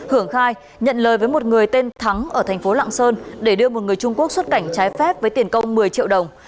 hưởng khai nhận lời với một người tên thắng ở thành phố lạng sơn để đưa một người trung quốc xuất cảnh trái phép với tiền công một mươi triệu đồng